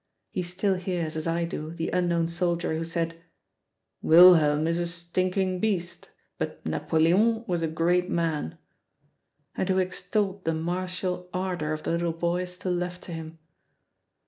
He still hears, as I do, the unknown soldier who said, "Wilhelm is a stinking beast, but Napoleon was a great man," and who extolled the martial ardor of the little boy still left to him.